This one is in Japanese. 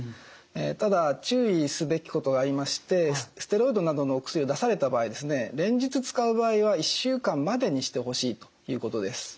ただ注意すべきことがありましてステロイドなどのお薬を出された場合連日使う場合は１週間までにしてほしいということです。